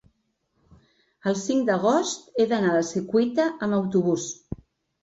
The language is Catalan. el cinc d'agost he d'anar a la Secuita amb autobús.